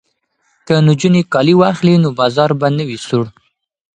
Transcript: که نجونې کالي واخلي نو بازار به نه وي سوړ.